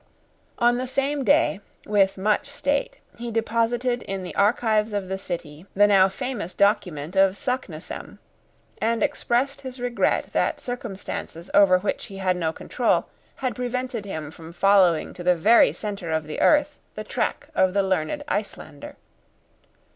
On the same day, with much state, he deposited in the archives of the city the now famous document of Saknussemm, and expressed his regret that circumstances over which he had no control had prevented him from following to the very centre of the earth the track of the learned Icelander.